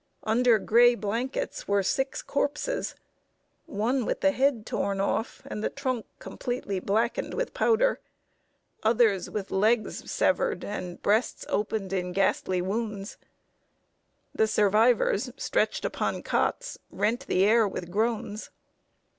Under gray blankets were six corpses, one with the head torn off and the trunk completely blackened with powder; others with legs severed and breasts opened in ghastly wounds. The survivors, stretched upon cots, rent the air with groans.